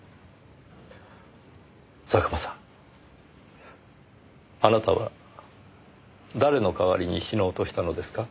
佐久間さんあなたは誰の代わりに死のうとしたのですか？